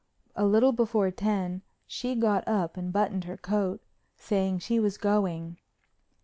A little before ten she got up and buttoned her coat, saying she was going.